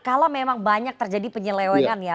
kalau memang banyak terjadi penyelewengan ya